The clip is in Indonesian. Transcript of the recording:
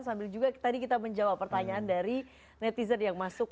sambil juga tadi kita menjawab pertanyaan dari netizen yang masuk